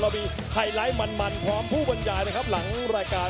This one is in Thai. มีไฮไลท์มันพร้อมผู้บรรยายนะครับหลังรายการ